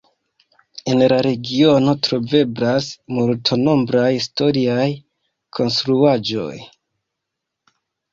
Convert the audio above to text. En la regiono troveblas multnombraj historiaj konstruaĵoj.